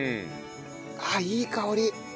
いい香り。